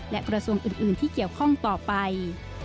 และกระทรวงอื่นที่เกี่ยวข้องต่อไป